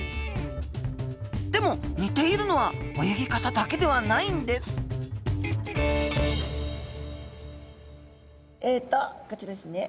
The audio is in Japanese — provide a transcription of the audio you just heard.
でも似ているのは泳ぎ方だけではないんですえとこちらですね。